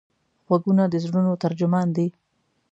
غوږونه د زړونو ترجمان دي